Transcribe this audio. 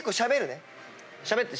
しゃべって。